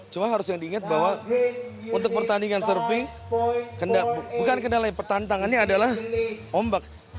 cuma harus yang diingat bahwa untuk pertandingan surfing bukan kendala yang pertantangannya adalah ombak